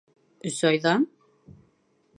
Өс айҙан?